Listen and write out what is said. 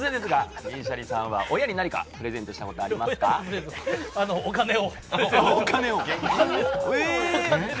突然ですが、銀シャリさんは親に何かプレゼントしたこと、ありまお金を。